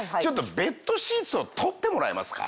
ベッドシーツを取ってもらえますか？